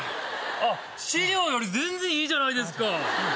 資料より全然いいじゃないですか。